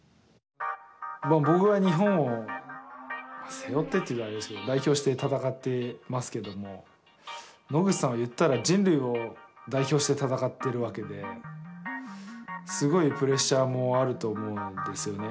僕は日本を背負ってと言うとあれですけど代表して戦ってますけども野口さんは言ったら人類を代表して戦ってるわけですごいプレッシャーもあると思うんですよね。